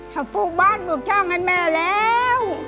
เขาปลูกบ้านปลูกจ้างให้แม่แล้ว